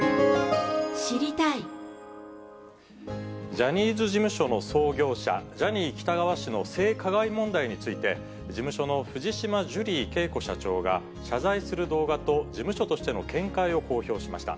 ジャニーズ事務所の創業者、ジャニー喜多川氏の性加害問題について、事務所の藤島ジュリー景子社長が、謝罪する動画と事務所としての見解を公表しました。